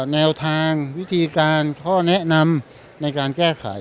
แนวทางวิธีการข้อแนะนำในการแก้ไข